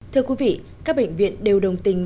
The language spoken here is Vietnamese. thưa quý vị các bệnh viện đều đồng tình